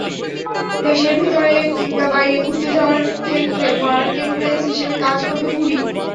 দেশের ভেতরে কিংবা বাইরে ঘুরতে যাওয়ার ক্ষেত্রে মার্কেটপ্লেস হিসেবে কাজ করবে ঘুরি।